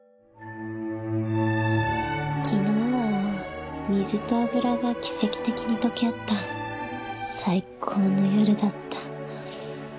昨日は水と油が奇跡的にとけ合った最高の夜だった